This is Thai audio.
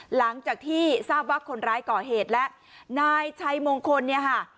หลังจากที่ทราบว่าคนร้ายก่อเหตุแล้วนายชัยมงคลเนี่ยค่ะ